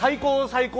最高！